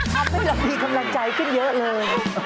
ครับที่เรามีกำลังใจขึ้นเยอะเลย